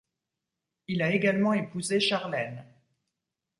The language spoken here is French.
Il a également épousé Charlene.